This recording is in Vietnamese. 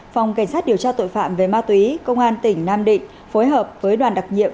phòng cảnh sát điều tra tội phạm về ma túy công an tỉnh nam định phối hợp với đoàn đặc nhiệm